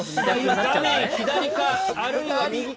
画面左か、あるいは右か。